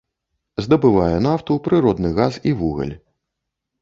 Здабывае нафту, прыродны газ і вугаль.